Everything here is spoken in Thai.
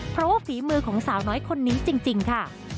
เพราะว่าฝีมือของสาวน้อยคนนี้จริงค่ะ